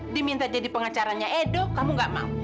diminta jadi pengacaranya edo kamu gak mau